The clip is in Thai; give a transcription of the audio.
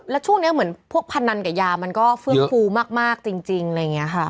แล้วช่วงนี้เหมือนพวกพนันกับยามันก็เฟื่องฟูมากจริงอะไรอย่างนี้ค่ะ